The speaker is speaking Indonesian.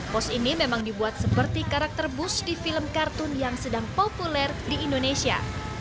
pos ini memang dibuat seperti karakter bush di film kartun yang sedang populer di indonesia